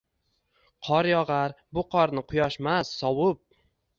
Qor yogʻar – bu qorni quyoshmas, sovib